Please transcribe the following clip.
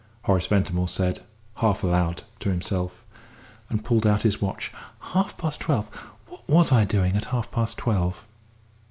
Horace Ventimore said, half aloud, to himself, and pulled out his watch. "Half past twelve what was I doing at half past twelve?"